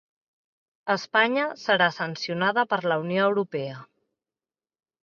Espanya serà sancionada per la Unió Europea